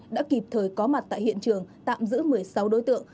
đã kịp thời có mặt tại hiện trường tạm giữ một mươi sáu đối tượng